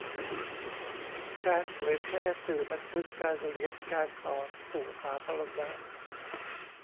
การเผยแพร่สื่อบันทึกการเรียนการสอนสู่สาธารณะ